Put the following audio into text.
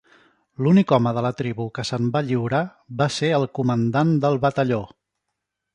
L'únic home de la tribu que se'n va lliurar va ser el comandant del batalló.